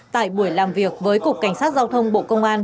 tại buổi làm việc với cục cảnh sát giao thông bộ công an